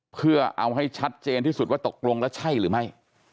เพื่อเอาให้ชัดเจนที่สุดว่าตกลงแล้วใช่หรือไม่